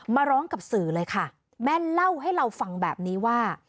มาร้องกับสื่อเลยค่ะแม่เล่าให้เราฟังแบบนี้ว่า